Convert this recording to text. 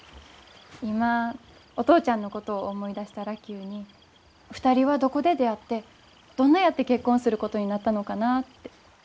今お父ちゃんのことを思い出したら急に２人はどこで出会ってどんなやって結婚することになったのかなって。